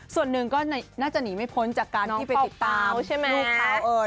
ส่วนหนึ่งก็น่าจะหนีไม่พ้นจากการที่ไปติดตามน้องป่าวใช่มั้ย